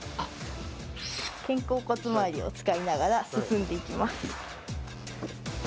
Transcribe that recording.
肩甲骨周りを使いながら進んでいきます。